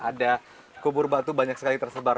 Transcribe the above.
ada kubur batu banyak sekali tersebar